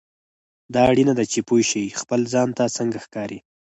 دا اړینه ده چې پوه شې خپل ځان ته څنګه ښکارې.